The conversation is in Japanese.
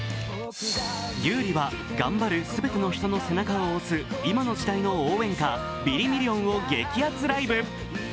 優里は頑張る全ての人の背中を押す今の時代の応援歌「ビリミリオン」を激熱ライブ。